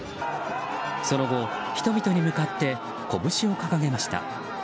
その後、人々に向かってこぶしを掲げました。